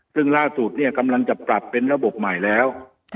ซึ่งล่าสุดเนี่ยกำลังจะปรับเป็นระบบใหม่แล้ว